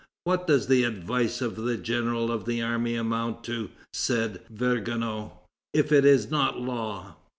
"What does the advice of the general of the army amount to," said Vergniaud, "if it is not law?"